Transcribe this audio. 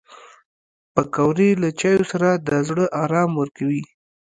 پکورې له چایو سره د زړه ارام ورکوي